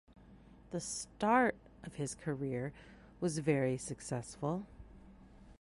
The start of his career was very successful.